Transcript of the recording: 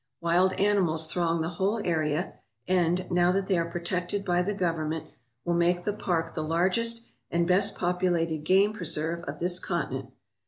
Wild animals throng the whole area and, now that they are protected by the Government, will make the park the largest and best populated game preserve of this continent.